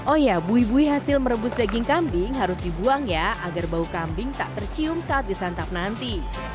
oh ya bui buih hasil merebus daging kambing harus dibuang ya agar bau kambing tak tercium saat disantap nanti